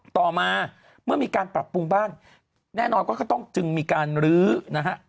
ต่อมาเมื่อมีการปรับปรุงบ้านแน่นอนก็ต้องจึงมีการลื้อนะฮะ